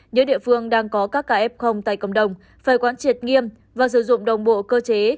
những địa phương đang có các kf tại cộng đồng phải quán triệt nghiêm và sử dụng đồng bộ cơ chế